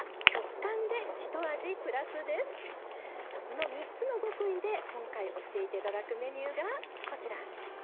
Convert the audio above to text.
この３つの極意で今回教えて頂くメニューがこちら。